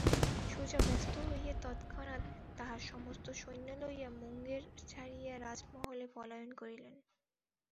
সুজা ব্যস্ত হইয়া তৎক্ষণাৎ তাঁহার সমস্ত সৈন্য লইয়া মুঙ্গের ছাড়িয়া রাজমহলে পলায়ন করিলেন।